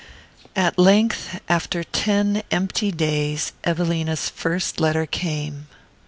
At length, after ten empty days, Evelina's first letter came.